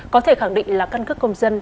có thể khẳng định là căn cức công dân